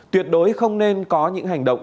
tuyệt đối không nên có những hành động